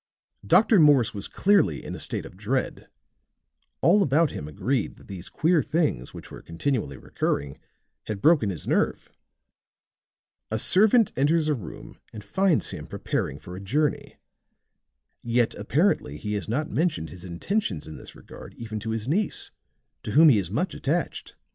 Dr. Morse was clearly in a state of dread; all about him agreed that these queer things, which were continually recurring, had broken his nerve. A servant enters a room and finds him preparing for a journey. Yet apparently he has not mentioned his intentions in this regard even to his niece, to whom he is much attached.